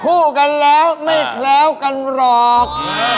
คู่กันแล้วไม่แคล้วกันหรอก